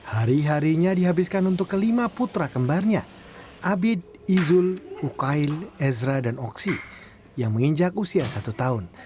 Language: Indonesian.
hari harinya dihabiskan untuk kelima putra kembarnya abid izul ukail ezra dan oksi yang menginjak usia satu tahun